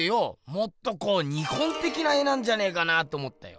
もっとこう日本てきな絵なんじゃねえかなと思ったよ。